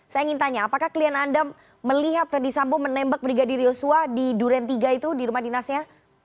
saya ingin tanya apakah klien anda melihat ferdis sambo menembak brigadir yosua di duren tiga itu di rumah dinasnya